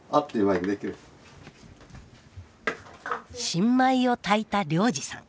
新米を炊いた良治さん。